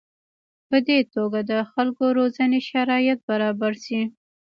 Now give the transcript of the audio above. په دې توګه د خلکو روزنې شرایط برابر شي.